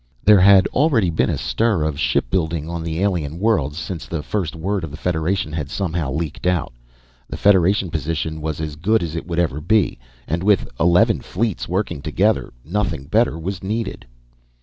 There had already been a stir of ship building on the alien worlds, since the first word of the Federation had somehow leaked out. The Federation position was as good as it would ever be and with eleven fleets working together, nothing better was needed.